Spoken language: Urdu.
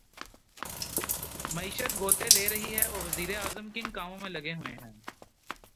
معیشت غوطے لے رہی ہے اور وزیر اعظم کن کاموں میں لگے ہوئے ہیں۔